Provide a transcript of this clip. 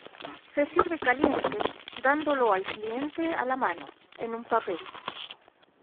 Se sirve caliente, dándolo al cliente a la mano, en un papel.